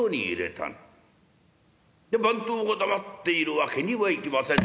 番頭が黙っているわけにはいきませんね。